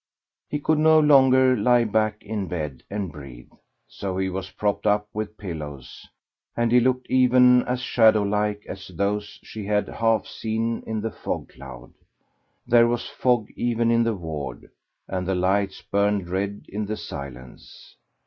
He could no longer lie back in bed and breathe, so he was propped up with pillows, and he looked even as shadow like as those she had half seen in the fog cloud. There was fog even in the ward, and the lights burned red in the silence.